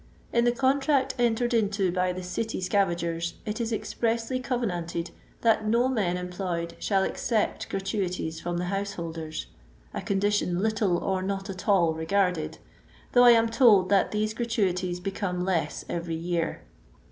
In the contract entered into by the city sca vagers, it is expressly covenanted that no men employed shall accept gratuities from the house holders; a condition little or not at all reg:irded, though I am told that these gratuities become less every year.